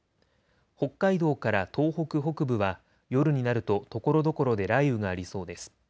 北海道から東北北部は夜になるとところどころで雷雨がありそうです。